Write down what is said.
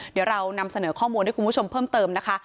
เดี๋ยวเรานำเสนอข้อมูลให้คุณผู้ชมเพิ่มเติมนะคะ